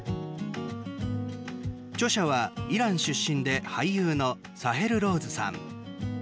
著者は、イラン出身で俳優のサヘル・ローズさん。